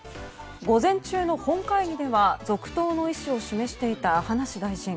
午前中の本会議では続投の意思を示していた葉梨大臣。